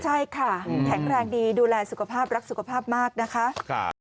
ใช่ค่ะแข็งแรงดีดูแลสุขภาพรักสุขภาพมากนะคะ